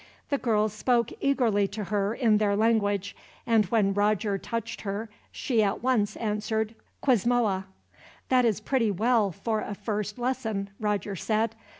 The girls spoke eagerly to her in their language, and when Roger touched her, she at once answered, "Quizmoa." "That is pretty well, for a first lesson," Roger said.